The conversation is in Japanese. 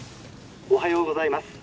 おはようございます。